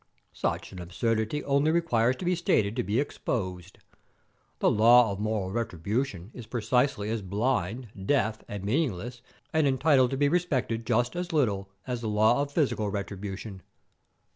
Such an absurdity only requires to be stated to be exposed. The law of moral retribution is precisely as blind, deaf, and meaningless, and entitled to be respected just as little, as the law of physical retribution.